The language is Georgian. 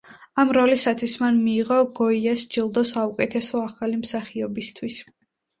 ამ როლისთვის მან მიიღო გოიას ჯილდო საუკეთესო ახალი მსახიობისთვის.